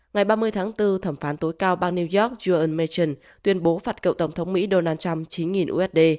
ngày ba mươi tháng bốn thẩm phán tối cao bang new york juergen machen tuyên bố phạt cậu tổng thống mỹ donald trump chín usd